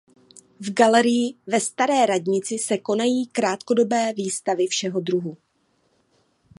V galerii ve Staré radnici se konají krátkodobé výstavy všeho druhu.